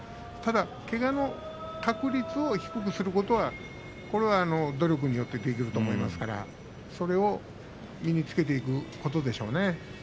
ただ、けがの確率を低くすることは努力によってできると思いますから、それを身につけていくことでしょうね。